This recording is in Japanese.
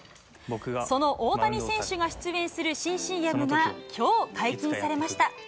その大谷選手が出演する新ＣＭがきょう解禁されました。